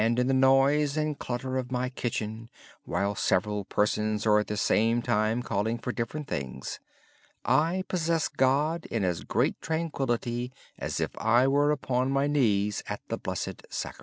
In the noise and clutter of my kitchen, while several persons are at the same time calling for different things, I possess God in as great tranquillity as if I were upon my knees at the Blessed Supper."